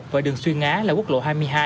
và đường xuyên ngá là quốc lộ hai mươi hai